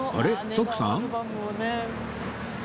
徳さん？